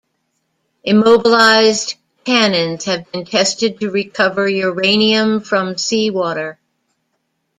Immobilized tannins have been tested to recover uranium from seawater.